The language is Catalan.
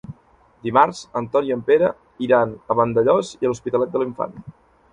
Dimarts en Ton i en Pere iran a Vandellòs i l'Hospitalet de l'Infant.